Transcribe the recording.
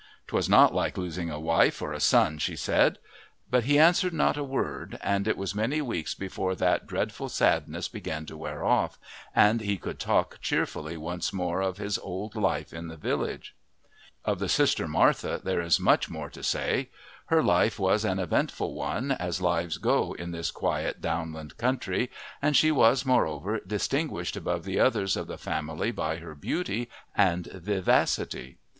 'Twas not like losing a wife or a son, she said; but he answered not a word, and it was many weeks before that dreadful sadness began to wear off, and he could talk cheerfully once more of his old life in the village. Of the sister, Martha, there is much more to say; her life was an eventful one as lives go in this quiet downland country, and she was, moreover, distinguished above the others of the family by her beauty and vivacity.